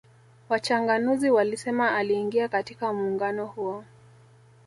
Wachanganuzi walisema aliingia katika muungano huo